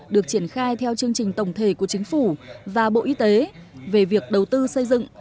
được triển khai theo chương trình tổng thể của chính phủ và bộ y tế về việc đầu tư xây dựng